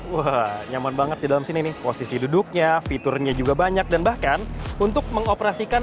wah nyaman banget di dalam sini nih posisi duduknya fiturnya juga banyak dan bahkan untuk mengoperasikan